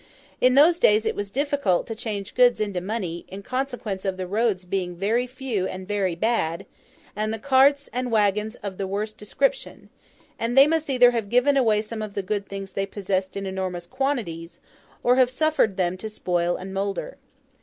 In those days it was difficult to change goods into money, in consequence of the roads being very few and very bad, and the carts, and waggons of the worst description; and they must either have given away some of the good things they possessed in enormous quantities, or have suffered them to spoil and moulder.